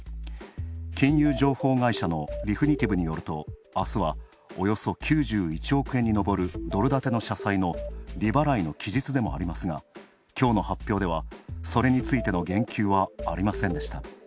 金融情報会社のリフィニティブによるとあすはおよそ９１億円にのぼるドル建ての社債の利払いの期日でもありますが、きょうの発表ではそれについての言及はありませんでした。